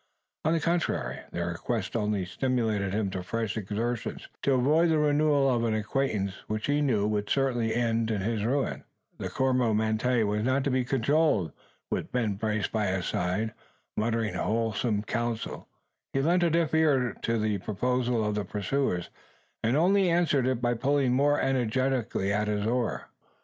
On the contrary, their request only stimulated him to fresh exertions, to avoid the renewal of an acquaintance which he knew would certainly end in his ruin. The Coromantee was not to be cajoled. With Ben Brace by his side, muttering wholesome counsel, he lent a deaf ear to the proposal of the pursuers; and only answered it by pulling more energetically at his oar.